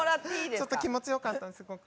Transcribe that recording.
ちょっと気持ちよかったすごく。